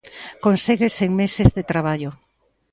Conséguese en meses de traballo.